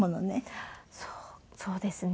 そうそうですね。